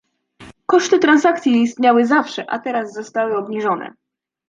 Koszty transakcji istniały zawsze, a teraz zostały obniżone